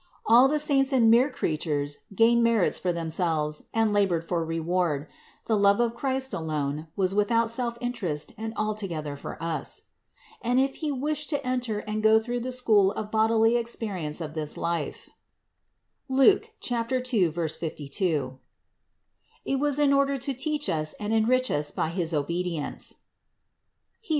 All the saints and mere creatures gained merits for themselves and labored for reward; the love of Christ alone was without self interest and altogether for us. And if He wished to enter and go through the school THE INCARNATION 121 of bodily experience of this life (Luke 2, 52), it was in order to teach us and enrich us by his obedience (Heb.